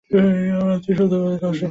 আমার আত্মীয়-স্বজন অনেক কষ্ট ভোগ করেছে।